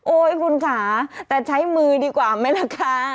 โอ้ยคุณขาแต่ใช้มือดีกว่าไหมล่ะคะ